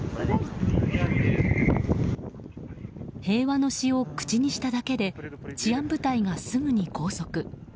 平和の詩を口にしただけで治安部隊がすぐに拘束。